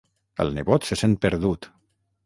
El nebot se sent perdut.